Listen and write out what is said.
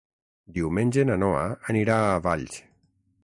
Diumenge na Noa anirà a Valls.